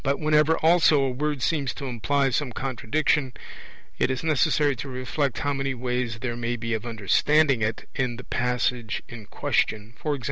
But whenever also a word seems to imply some contradiction, it is necessary to reflect how many ways there may be of understanding it in the passage in question; e.g.